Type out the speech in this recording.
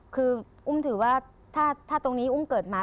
คืออุ้มถือว่าถ้าตรงนี้อุ้มเกิดมา